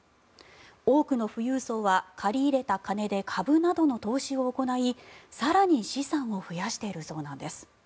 多くの富裕層は借り入れた金で株などの投資を行い更に資産を増やしているそうです。